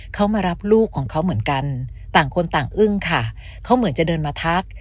เขามารับลูกของเขาเหมือนกันต่างคนต่างอึ้งค่ะเขาเหมือนจะเดินมาทัก